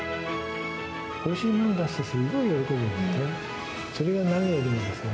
おいしいものを出すとすごく喜ぶんですね。